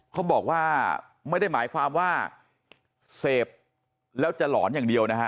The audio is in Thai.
เขาบอกว่าไม่ได้หมายความว่าเสพแล้วจะหลอนอย่างเดียวนะฮะ